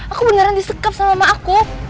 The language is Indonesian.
aku beneran disikap sama mama aku